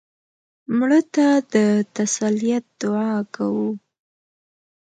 مړه ته د تسلیت دعا کوو